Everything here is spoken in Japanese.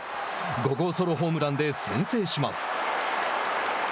５号ソロホームランで先制します。